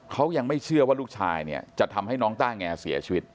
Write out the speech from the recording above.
เขายังไม่เชื่อว่าลูกชายเนี่ยจะทำให้น้องต้าแงเสียชีวิต